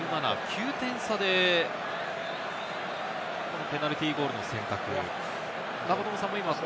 ９点差でペナルティーゴールの選択。